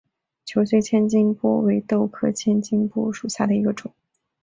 球穗千斤拔为豆科千斤拔属下的一个种。